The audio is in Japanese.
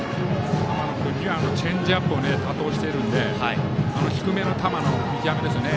浜野君はチェンジアップを多投しているので低めの球の見極めですよね。